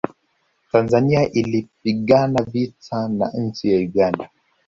tanzania ilipigana vita na nchi ya uganda